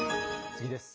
次です。